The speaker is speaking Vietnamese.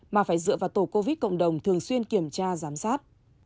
mà phải dựa vào tổ covid cộng đồng thường xuyên kiểm tra giám sát